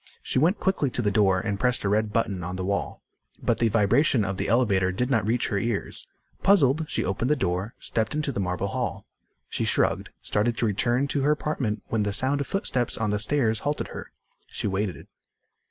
She went quickly to the door and pressed a red button on the wall. But the vibration of the elevator did not reach her ears. Puzzled, she opened the door, stepped into the marble hall. She shrugged, started to return to her apartment when the sound of footsteps on the stairs halted her. She waited.